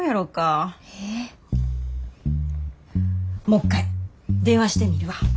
もっかい電話してみるわ。